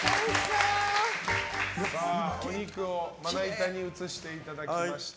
お肉をまな板に移していただきまして。